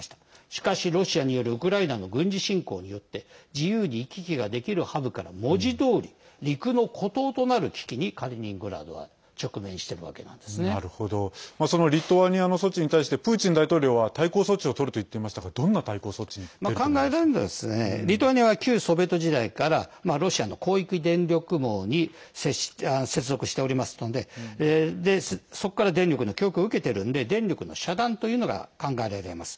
しかし、ロシアによるウクライナの軍事侵攻によって自由に行き来ができるハブから文字どおり陸の孤島となる危機にカリーニングラードはそのリトアニアの措置に対してプーチン大統領は対抗措置をとると言っていましたがどんな対抗措置に考えられるのはリトアニアは旧ソビエト時代からロシアの広域電力網に接続しておりますのでそこから電力の供給を受けているので電力の遮断というのが考えられます。